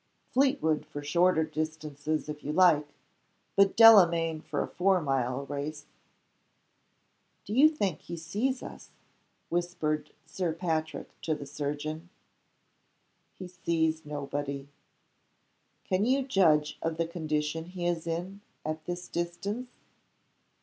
"Fleetwood for shorter distances, if you like; but Delamayn for a four mile race." "Do you think he sees us?" whispered Sir Patrick to the surgeon. "He sees nobody." "Can you judge of the condition he is in, at this distance?"